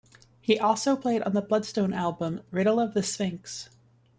He also played on the Bloodstone album "Riddle of the Sphinx".